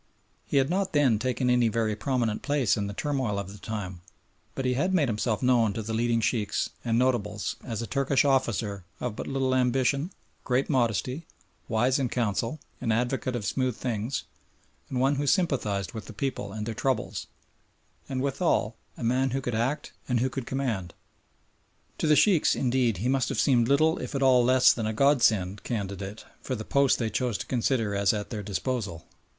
He had not then taken any very prominent place in the turmoil of the time, but he had made himself known to the leading Sheikhs and notables as a Turkish officer of but little ambition, great modesty, wise in council, an advocate of smooth things, and one who sympathised with the people and their troubles, and withal a man who could act and who could command. To the Sheikhs, indeed, he must have seemed little if at all less than a God sent candidate for the post they chose to consider as at their disposal.